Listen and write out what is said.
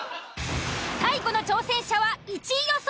最後の挑戦者は１位予想